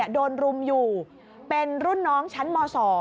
โดนรุมอยู่เป็นรุ่นน้องชั้นม๒